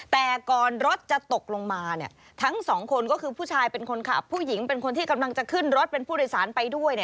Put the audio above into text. แต่ก่อนรถจะตกลงมาทั้งสองคนก็คือผู้ชายเป็นคนขับผู้หญิงเป็นคนที่กำลังจะขึ้นรถเป็นผู้โดยสารไปด้วย